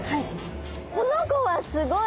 この子はすごい。